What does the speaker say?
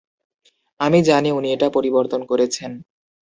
আমি জানি উনি এটা পরিবর্তন করেছেন।